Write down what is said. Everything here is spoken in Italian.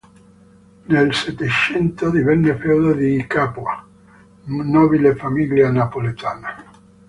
Nel Settecento divenne feudo dei Di Capua, nobile famiglia napoletana.